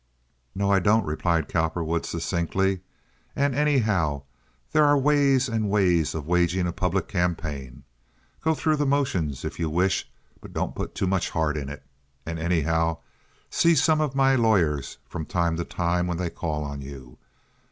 "No, I don't," replied Cowperwood, succinctly, "and, anyhow, there are ways and ways of waging a public campaign. Go through the motions, if you wish, but don't put too much heart in it. And, anyhow, see some one of my lawyers from time to time when they call on you.